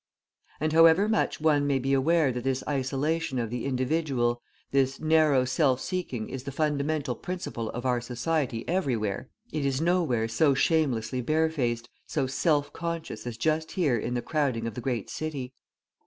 And, however much one may be aware that this isolation of the individual, this narrow self seeking is the fundamental principle of our society everywhere, it is nowhere so shamelessly barefaced, so self conscious as just here in the crowding of the great city.